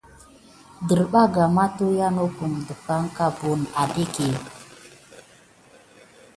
Desbarga makuata noko ɗegamɓa wusi aɗak é.